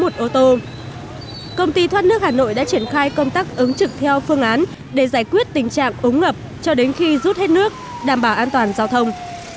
công ty thoát nước hà nội đã triển khai công tác ứng trực theo phương án để giải quyết tình trạng ống ngập cho đến khi rút hết nước đảm bảo an toàn giao thông